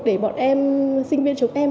để bọn em sinh viên chúng em